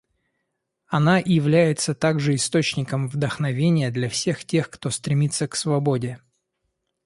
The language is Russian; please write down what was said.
Она является также источником вдохновения для всех тех, кто стремится к свободе.